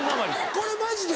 これマジで？